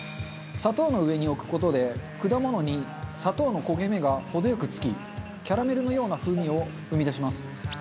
砂糖の上に置く事で果物に砂糖の焦げ目が程良く付きキャラメルのような風味を生み出します。